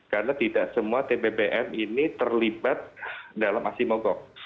karena tidak semua tbbm ini terlibat dalam aksi mogok